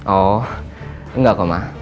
oh enggak kok ma